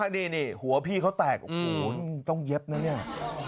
นี่หัวพี่เขาแตกโอ้โหต้องเย็บนะเนี่ย